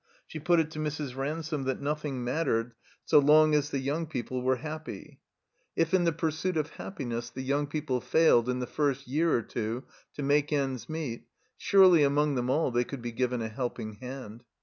She put it to Mrs. Ransome that nothing mattered so long as the yoimg people were happy. X26 THE COMBINED MAZE If in the pursuit of happiness the young people failed in the first year or two to make ends meet, surely among them aU they could be given a helping hand.